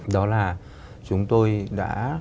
đó là chúng tôi đã